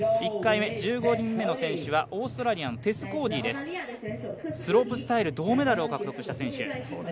１回目、１５人目の選手はオーストラリアのテス・コーディです、スロープスタイル銅メダルを獲得した選手。